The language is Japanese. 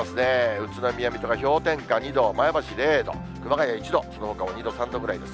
宇都宮、水戸が氷点下２度、前橋０度、熊谷１度、そのほかも２度、３度ぐらいです。